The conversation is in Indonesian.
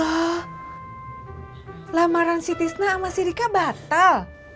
oh lamaran si tisna sama si rika batal